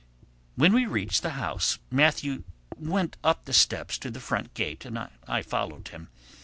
When we reached the house Matthew went up the steps to the front gate and I followed him.